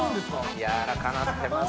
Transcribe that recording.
軟らかなってます。